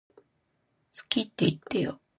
好きって言ってよ